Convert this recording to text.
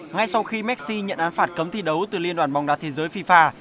ngay sau khi messi nhận án phạt cấm thi đấu từ liên đoàn bóng đá thế giới fifa